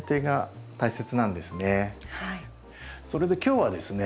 それで今日はですね